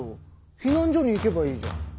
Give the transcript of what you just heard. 避難所に行けばいいじゃん。